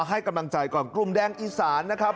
ให้กำลังใจก่อนกลุ่มแดงอีสานนะครับ